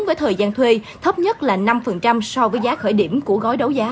với thời gian thuê thấp nhất là năm so với giá khởi điểm của gói đấu giá